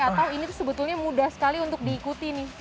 atau ini sebetulnya mudah sekali untuk diikuti nih